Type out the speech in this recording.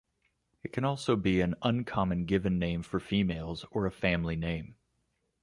It can also be an uncommon given name for females or a family name.